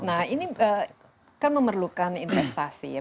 nah ini kan memerlukan investasi ya